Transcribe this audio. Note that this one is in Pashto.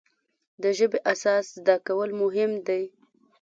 د ژبې اساس زده کول مهم دی.